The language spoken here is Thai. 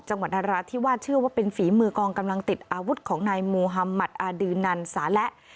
จังหวัดอันรัฐที่วาดเชื่อว่าเป็นฝีมือกองกำลังติดอาวุธของนายมูฮัมมัตต์อาดืนนันต์สาละ